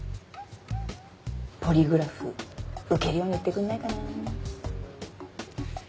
ポリグラフ受けるように言ってくんないかなぁ。